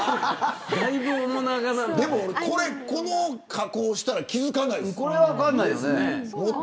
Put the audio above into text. でも、この加工したら気付かないですね。